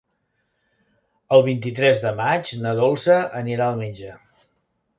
El vint-i-tres de maig na Dolça anirà al metge.